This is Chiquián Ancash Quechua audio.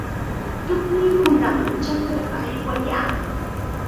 Tukuy hunaqkunam chakrapa aywayaa.